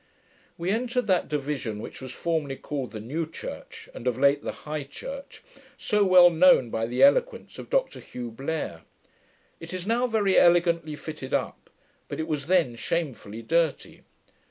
We entered that division which was formerly called the New Church, and of late the High Church, so well known by the eloquence of Dr Hugh Blair. It is now very elegantly fitted up; but it was then shamefully dirty.